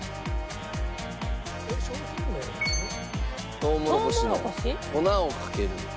トウモロコシの粉をかける。